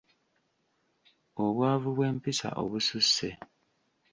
Obwavu bw’empisa obususse.